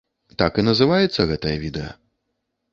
Так і называецца гэтае відэа.